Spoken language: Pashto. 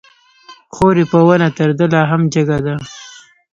خور يې په ونه تر ده لا هم جګه ده